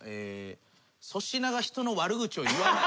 粗品が人の悪口を言わない。